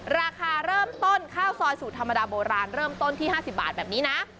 ราคาเริ่มต้นข้าวซอยสูตรธรรมดาโบราณเริ่มต้นที่๕๐บาทแบบนี้นะ